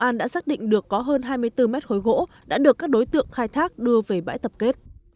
an đã xác định được có hơn hai mươi bốn mét khối gỗ đã được các đối tượng khai thác đưa về bãi tập kết